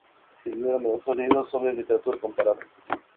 Escribió numerosos libros sobre literatura comparada.